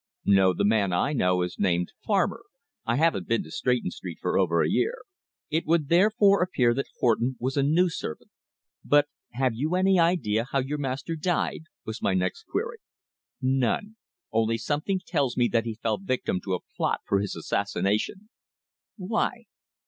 "No, the man I know is named Farmer. I haven't been to Stretton Street for over a year." It would therefore appear that Horton was a new servant. "But have you any idea how your master died?" was my next query. "None only something tells me that he fell victim to a plot for his assassination." "Why?"